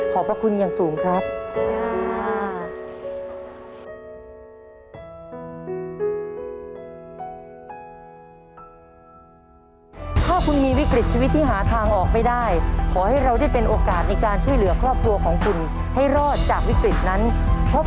พระคุณอย่างสูงครับ